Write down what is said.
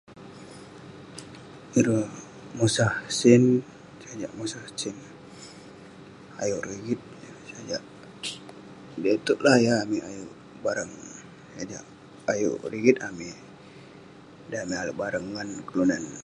Ireh mosah sen, sajak mosah sen ayuk rigit sajak be tuak lah yah ayuk amik ayuk barang sajak ayuk rigit amik dan amik alek barang kelunan.